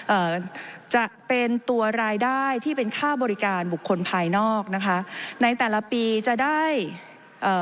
เอ่อจะเป็นตัวรายได้ที่เป็นค่าบริการบุคคลภายนอกนะคะในแต่ละปีจะได้เอ่อ